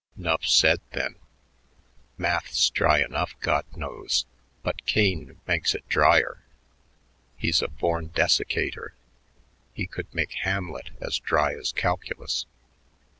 "'Nough said, then. Math's dry enough, God knows, but Kane makes it dryer. He's a born desiccator. He could make 'Hamlet' as dry as calculus."